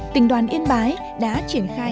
tình đoàn yên bái đã triển khai